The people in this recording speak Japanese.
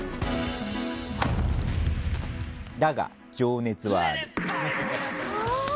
「だが、情熱はある」。